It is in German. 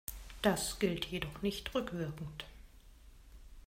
Das gilt jedoch nicht rückwirkend.